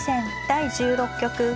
第１６局。